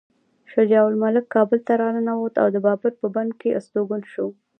شجاع الملک کابل ته راننوت او د بابر په بڼ کې استوګن شو.